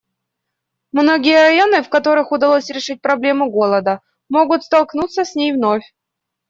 Многие районы, в которых удалось решить проблему голода, могут столкнуться с ней вновь.